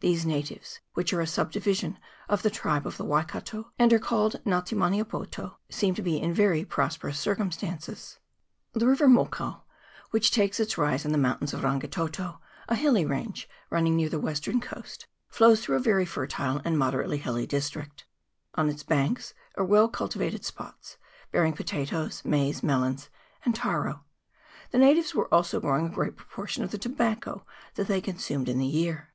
These natives, which are a subdivision of the tribe of the Waikato, and are called Nga te Meniopoto, seem to be in very prosperous circumstances. The river Mokau, which takes its rise in the mountains of Rangitoto, a hilly range running near the western 170 RIVER MOKAU. [PART I. coast, flows through a very fertile and moderately hilly district. On its banks are well cultivated spots, bearing potatoes, maize, melons, and taro ; the natives were also growing a great proportion of the tobacco that they consumed in the year.